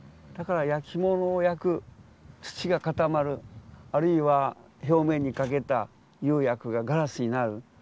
だからやきものを焼く土が固まるあるいは表面にかけた釉薬がガラスになる。